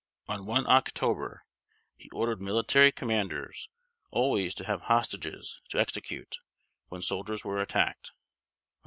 On 1 October he ordered military commanders always to have hostages to execute when soldiers were attacked.